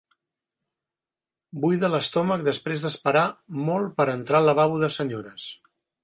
Buida l'estómac després d'esperar molt per entrar al lavabo de senyores.